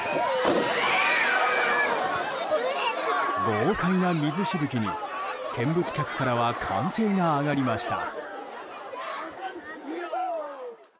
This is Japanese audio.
豪快な水しぶきに見物客からは歓声が上がりました。